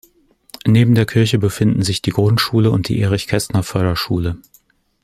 Neben der Kirche befinden sich die Grundschule und die Erich-Kästner-Förderschule.